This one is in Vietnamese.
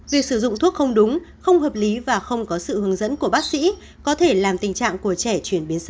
việc sử dụng thuốc không đúng không hợp lý và không có sự hướng dẫn của bác sĩ có thể làm tình trạng của trẻ chuyển biến rõ